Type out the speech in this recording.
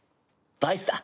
バイスだ。